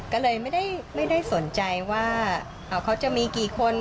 ก็เลยไม่ได้สนใจว่าเขาจะมีกี่คน